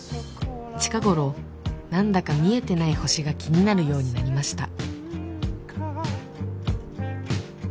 近頃何だか見えてない星が気になるようになりました